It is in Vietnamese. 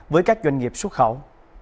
với các doanh nghiệp xuất khẩu